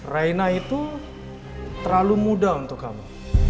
raina itu terlalu muda untuk kamu